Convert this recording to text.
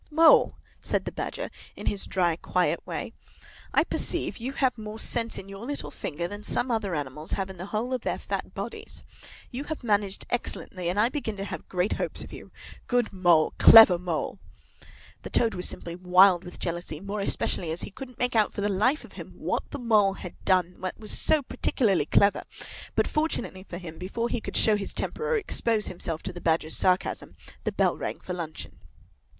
"Mole," said the Badger, in his dry, quiet way, "I perceive you have more sense in your little finger than some other animals have in the whole of their fat bodies. You have managed excellently, and I begin to have great hopes of you. Good Mole! Clever Mole!" The Toad was simply wild with jealousy, more especially as he couldn't make out for the life of him what the Mole had done that was so particularly clever; but, fortunately for him, before he could show temper or expose himself to the Badger's sarcasm, the bell rang for luncheon.